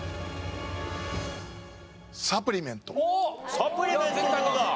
サプリメントどうだ？